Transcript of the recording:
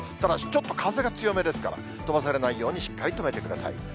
ただし、ちょっと風が強めですから、飛ばされないようにしっかりとめてください。